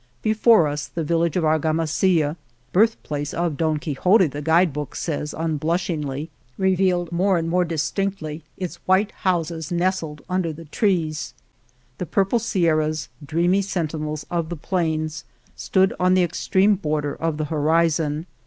Before us the village of Argamasilla, birth place of Don Quixote,*' the guide book says unblushingly, revealed more and more dis tinctly its white houses nestled under the 13 On the Road to Argamasilla trees. The purple Sierras, dreamy sentinels of the plains, stood on the extreme border of the horizon.